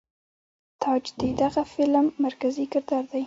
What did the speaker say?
تاج د دغه فلم مرکزي کردار دے.